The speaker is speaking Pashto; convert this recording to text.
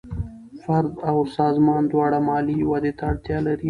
فرد او سازمان دواړه مالي ودې ته اړتیا لري.